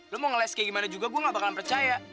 lo mau ngelas kayak gimana juga gue gak bakalan percaya